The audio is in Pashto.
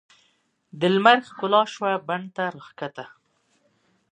د لمر ښکالو شوه بڼ ته راکښته